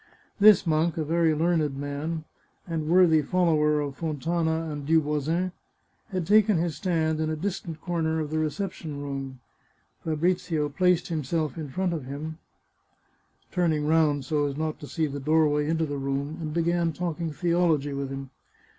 This monk, a very learned man, and worthy follower of Fontana and Duvoisin, had taken his stand in a distant corner of the reception room. Fabrizio placed himself in front of him, turning round so as not to see the doorway into the room, and began talking theology with him.